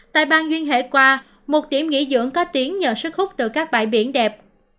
tại bang duyên hải qua một điểm nghỉ dưỡng có tiếng nhờ sức hút từ các bãi biển đẹp